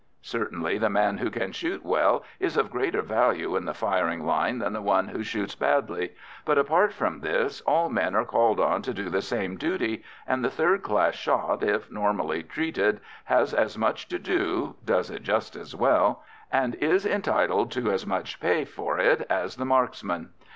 Certainly the man who can shoot well is of greater value in the firing line than the one who shoots badly, but, apart from this, all men are called on to do the same duty, and the third class shot, if normally treated, has as much to do, does it just as well, and is entitled to as much pay for it as the marksman.